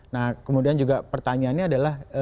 nah kemudian juga pertanyaannya adalah